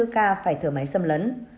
ba mươi bốn ca phải thở máy xâm lấn